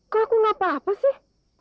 kok aku gak papa sih